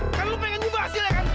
karena lo pengen mengubah hasilnya kan